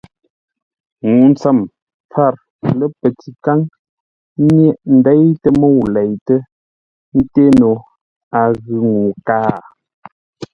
Ŋuu ntsəm pfǎr, lə́ pətikáŋ nyêʼ ndêitə́ mə́u leitə́, ńté no a ghʉ̂ ŋuu kâa.